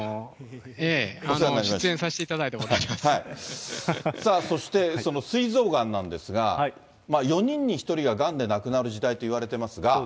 出演させていただいたことがさあ、そして、そのすい臓がんなんですが、４人に１人ががんでなくなる時代といわれてますが。